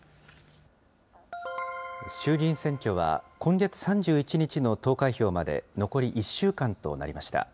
衆議院選挙は今月３１日の投開票まで残り１週間となりました。